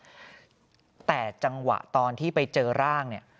ตั้งแต่จังหวะตอนที่ไปเจอร่าง